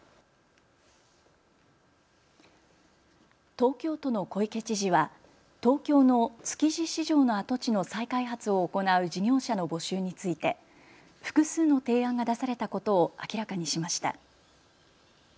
東京都の小池知事は東京の築地市場の跡地の再開発を行う事業者の募集について複数の提案が出されたことを明らかにしました。